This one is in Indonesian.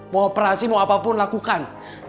mau operasi mau apapun lakukan